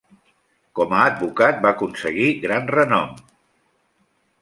Com a advocat va aconseguir gran renom.